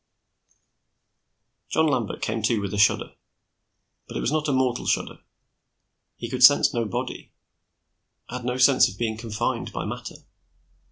John Lambert came to with a shudder. But it was not a mortal shudder. He could sense no body; had no sense of being confined by matter.